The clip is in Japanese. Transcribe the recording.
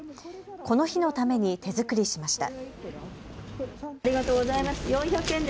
この日のために手作りしました。